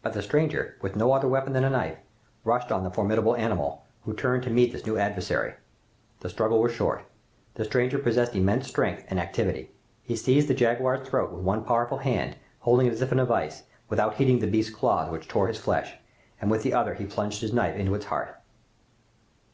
But the stranger, with no other weapon than a knife, rushed on the formidable animal, who turned to meet this new adversary. The struggle was short. The stranger possessed immense strength and activity. He seized the jaguar's throat with one powerful hand, holding it as in a vise, without heeding the beast's claws which tore his flesh, and with the other he plunged his knife into its heart.